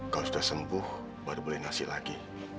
kalau sudah sembuh baru boleh nasi lagi